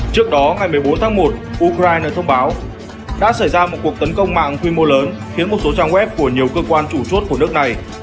trước đó ngày một mươi bốn tháng một ukraine thông báo đã xảy ra một cuộc tấn công mạng quy mô lớn khiến một số trang web của nhiều cơ quan chủ chốt của nước này